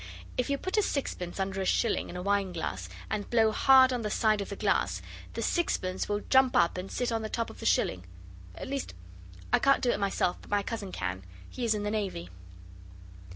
If you put a sixpence under a shilling in a wine glass, and blow hard down the side of the glass, the sixpence will jump up and sit on the top of the shilling. At least I can't do it myself, but my cousin can. He is in the Navy.